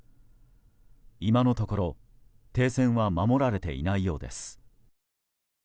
今のところ停戦は守られていないようです。